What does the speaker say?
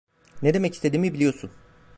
Ne demek istediğimi biliyorsun.